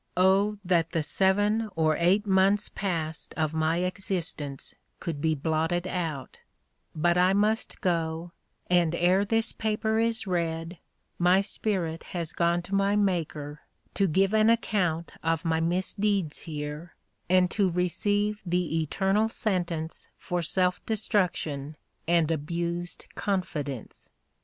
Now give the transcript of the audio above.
Oh, that the seven or eight months past of my existence could be blotted out; but I must go, and, ere this paper is read, my spirit has gone to my Maker, to give an account of my misdeeds here, and to receive the eternal sentence for self destruction and abused confidence.